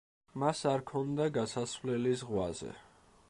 მას არ ჰქონდა გასასვლელი ზღვაზე.